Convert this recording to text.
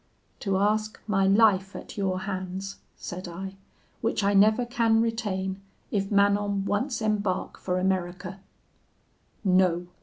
"'To ask my life at your hands,' said I, 'which I never can retain if Manon once embark for America.' "'No!